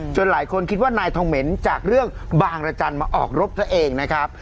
หลายคนคิดว่านายทองเหม็นจากเรื่องบางรจันทร์มาออกรบซะเองนะครับ